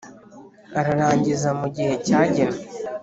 ararangiza mu gihe cyagenwe.